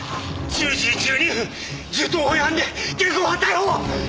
１０時１２分銃刀法違反で現行犯逮捕！